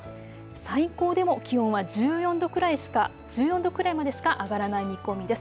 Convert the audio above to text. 最高でも気温は１４度くらいまでしか上がらない見込みです。